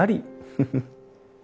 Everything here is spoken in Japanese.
フフフッ。